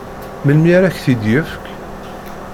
Melmi ara ak-t-id-yefk?